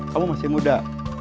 kamu masih muda